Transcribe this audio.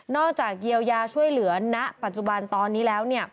จากเยียวยาช่วยเหลือณปัจจุบันตอนนี้แล้ว